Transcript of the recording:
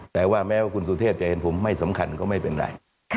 แต่แม้คุณสุเทพจะแด่นผมไม่สำคัญก็ไม่เป็นไร